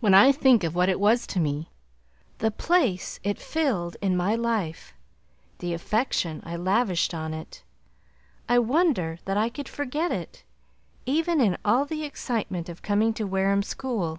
When I think of what it was to me, the place it filled in my life, the affection I lavished on it, I wonder that I could forget it, even in all the excitement of coming to Wareham to school.